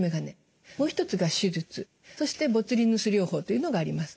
もう一つが手術そしてボツリヌス療法というのがあります。